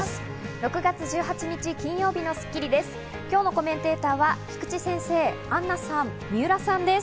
６月１８日、金曜日の『スッキリ』です。